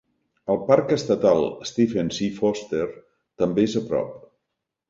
El Parc Estatal Stephen C. Foster també és a prop.